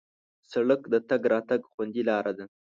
سړک د تګ راتګ خوندي لاره ده.